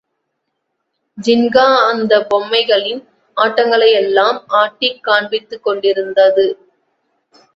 ஜின்கா அந்த பொம்மைகளின் ஆட்டங்களையெல்லாம் ஆடிக் காண்பித்துக் கொண்டிருந்தது.